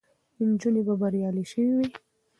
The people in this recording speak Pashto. نجونې به بریالۍ سوې وي.